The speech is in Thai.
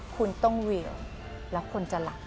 คุณต้องวิวแล้วคนจะรักค่ะ